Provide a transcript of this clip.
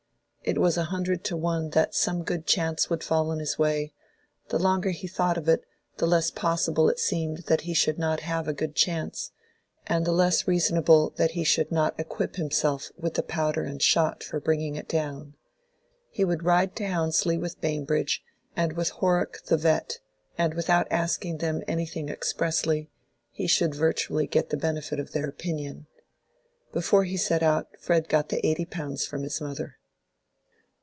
It was a hundred to one that some good chance would fall in his way; the longer he thought of it, the less possible it seemed that he should not have a good chance, and the less reasonable that he should not equip himself with the powder and shot for bringing it down. He would ride to Houndsley with Bambridge and with Horrock "the vet," and without asking them anything expressly, he should virtually get the benefit of their opinion. Before he set out, Fred got the eighty pounds from his mother.